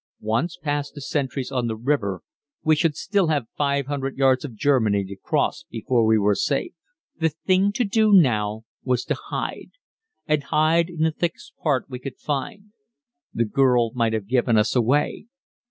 Once past the sentries on the river we should still have 500 yards of Germany to cross before we were safe. The thing to do now was to hide, and hide in the thickest part we could find. The girl might have given us away.